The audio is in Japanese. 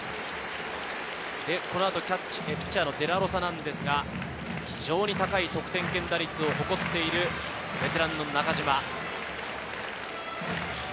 この後、ピッチャーのデラロサですが、非常に高い得点圏打率を誇っているベテランの中島。